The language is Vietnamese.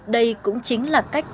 đây cũng chính là cách